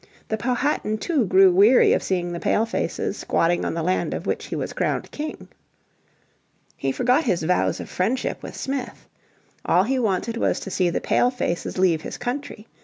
The Powhatan too grew weary of seeing the Pale faces squatting on the land of which he was crowned king. He forgot his vows of friendship With Smith. All he wanted was to see the Palefaces leave his country.